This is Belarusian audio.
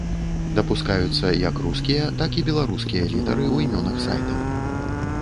Дапускаюцца як рускія, так і беларускія літары ў імёнах сайтаў.